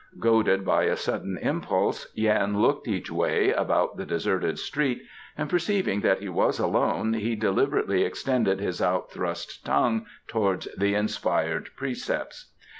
Goaded by a sudden impulse, Yan looked each way about the deserted street, and perceiving that he was alone he deliberately extended his out thrust tongue towards the inspired precepts.